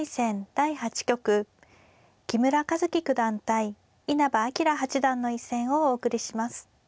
第８局木村一基九段対稲葉陽八段の一戦をお送りします。